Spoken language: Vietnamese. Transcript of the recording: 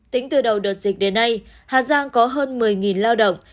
tính từ đầu đợt dịch đến nay hà giang có hơn một mươi lao động